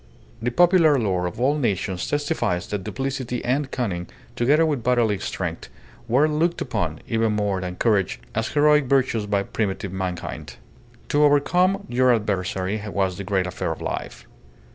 The popular lore of all nations testifies that duplicity and cunning, together with bodily strength, were looked upon, even more than courage, as heroic virtues by primitive mankind. To overcome your adversary was the great affair of life.